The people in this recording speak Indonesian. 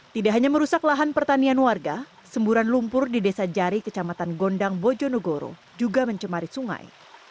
tidak hanya merusak lahan pertanian warga semburan lumpur di desa jari kecamatan gondang bojonegoro juga mencemari sungai